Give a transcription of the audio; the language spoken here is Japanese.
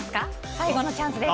最後のチャンスです。